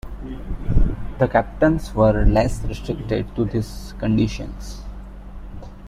The Captains were less restricted to these conditions.